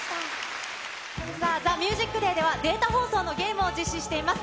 さあ、ＴＨＥＭＵＳＩＣＤＡＹでは、データ放送のゲームを実施しています。